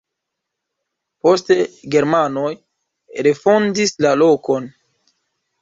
Poste germanoj refondis la lokon.